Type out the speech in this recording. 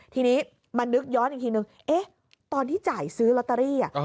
ทีนี้มานึกย้อนอีกทีนึงตอนที่จ่ายซื้อลอตเตอรี่